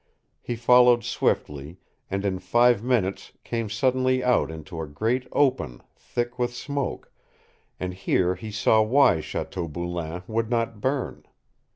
He followed swiftly, and in five minutes came suddenly out into a great open thick with smoke, and here he saw why Chateau Boulain would not burn.